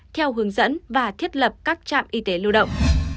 theo hướng dẫn và thiết lập các trạm y tế lưu động